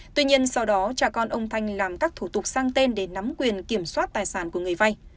tuy nhiên sau đó cha con ông thanh làm các thủ tục sang tên để nắm quyền kiểm soát tài sản của người vay